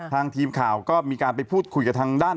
ทางทีมข่าวก็มีการไปพูดคุยกับทางด้าน